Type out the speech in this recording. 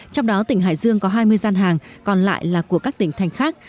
trong đó tỉnh hải dương có hai mươi gian hàng còn lại là của các tỉnh thành khác